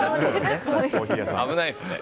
危ないですね。